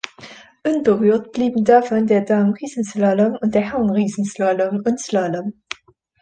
Unberührt blieben davon der Damen-Riesenslalom und der Herren-Riesenslalom und -Slalom.